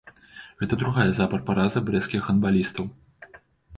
Гэта другая запар параза брэсцкіх гандбалістаў.